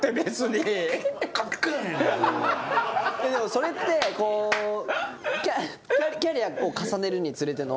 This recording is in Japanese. それってキャリア重ねるにつれての。